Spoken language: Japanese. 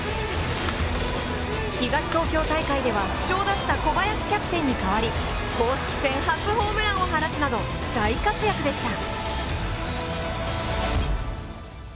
東東京大会では不調だった小林キャプテンにかわり公式戦初ホームランを放つなど大活躍でした。